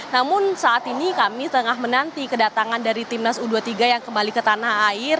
namun saat ini kami tengah menanti kedatangan dari timnas u dua puluh tiga yang kembali ke tanah air